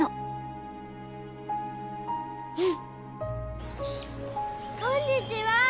うん！こんにちは！